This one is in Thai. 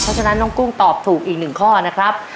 เพราะฉะนั้นน้องกุ้งตอบถูกอีกหนึ่งข้อนะครับ